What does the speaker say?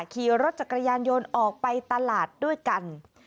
ขี่รถจักรยานยนต์ออกไปตลาดด้วยกัน